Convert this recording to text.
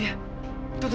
apaan sih itu